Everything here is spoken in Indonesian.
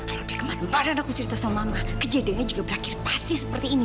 kalau dia kemarin kemarin aku cerita sama mama kejadiannya juga berakhir pasti